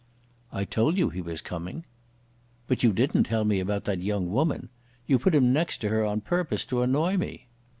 "I told you he was coming." "But you didn't tell me about that young woman. You put him next to her on purpose to annoy me."